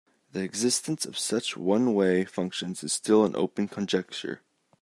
The existence of such one-way functions is still an open conjecture.